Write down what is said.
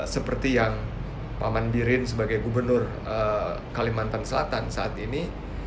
seperti yang pak mandirin sebagai gubernur kalimantan selatan saat ini